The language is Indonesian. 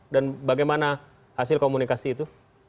dan bagaimana hasil komunikasi itu